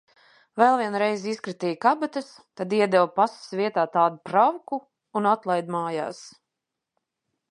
Vēl vienu reizi izkratīja kabatas, tad iedeva pases vietā tādu pravku un atlaida mājās.